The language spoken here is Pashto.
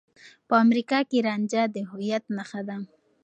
په امريکا کې رانجه د هويت نښه ده.